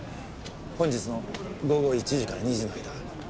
本日の午後１時から２時の間。